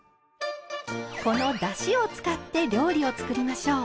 このだしを使って料理を作りましょう。